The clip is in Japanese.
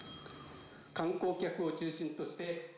観光客を中心として。